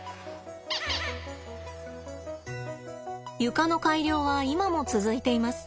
床の改良は今も続いています。